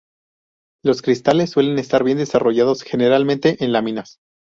Los cristales suelen estar bien desarrollados, generalmente en láminas.